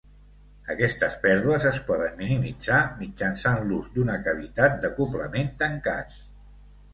Aquestes pèrdues es poden minimitzar mitjançant l'ús d'una cavitat d'acoblament tancat.